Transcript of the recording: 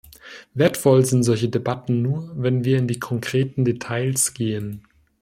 Wertvoll sind solche Debatten nur, wenn wir in die konkreten Details gehen.